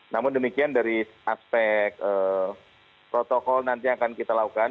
namun demikian dari aspek protokol nanti akan kita lakukan